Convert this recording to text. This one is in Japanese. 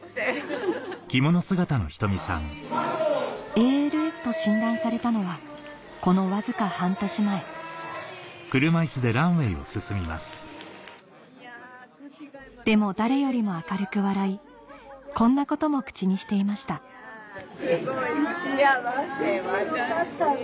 ＡＬＳと診断されたのはこのわずか半年前でも誰よりも明るく笑いこんなことも口にしていましたすごい。よかったね。